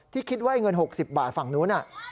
ที่คิดว่าเงิน๖๐บาทฝั่งนู้นน่ะ